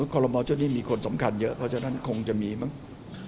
คอลโมชุดนี้มีคนสำคัญเยอะเพราะฉะนั้นคงจะมีมั้ง